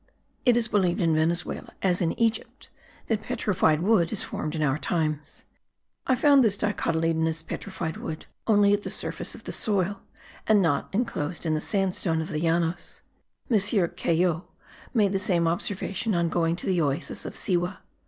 It is believed in Venezuela as in Egypt that petrified wood is formed in our times. I found this dicotyledonous petrified wood only at the surface of the soil and not inclosed in the sandstone of the Llanos. M. Caillaud made the same observation on going to the Oasis of Siwa.